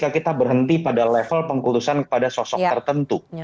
kita berhenti pada level pengkultusan pada sosok tertentu